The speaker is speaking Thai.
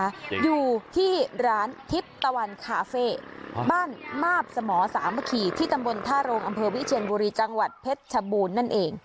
อยู่ที่ร้านทิพย์ตะวันคาเฟ่บ้านมาบสมสามัคคีที่ตำบลท่าโรงอำเภอวิเชียนบุรีจังหวัดเพชรชบูรณ์นั่นเอง